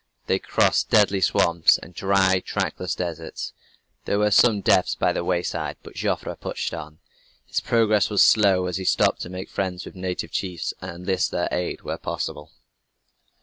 They crossed deadly swamps and dry, trackless deserts. There were some deaths by the wayside, but Joffre pushed on. His progress was slow, as he stopped to make friends with native chiefs, and enlist their aid where possible.